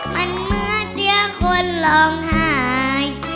มันเหมาะเสียงข้นห่องหาย